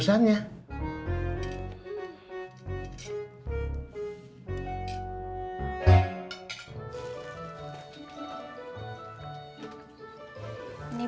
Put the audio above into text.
tidak ada yang ngerti